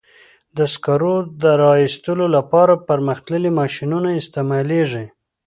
د سکرو د را ایستلو لپاره پرمختللي ماشینونه استعمالېږي.